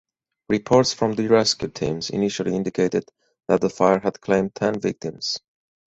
Reports from the rescue teams initially indicated that the fire had claimed ten victims.